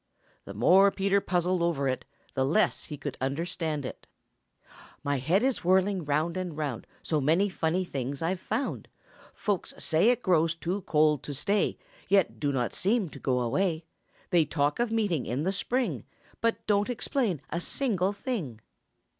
The more Peter puzzled over it, the less he could understand it. "My head is whirling round and round, So many funny things I've found; Folks say it grows too cold to stay, Yet do not seem to go away. They talk of meeting in the spring But don't explain a single thing.